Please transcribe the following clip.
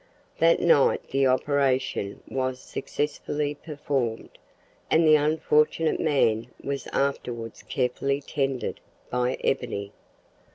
That night the operation was successfully performed, and the unfortunate man was afterwards carefully tended by Ebony.